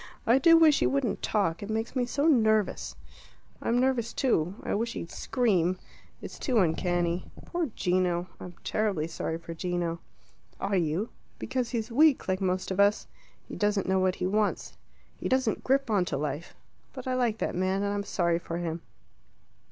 I do wish you wouldn't talk; it makes me so nervous." "I'm nervous too. I wish he'd scream. It's too uncanny. Poor Gino! I'm terribly sorry for Gino." "Are you?" "Because he's weak like most of us. He doesn't know what he wants. He doesn't grip on to life. But I like that man, and I'm sorry for him."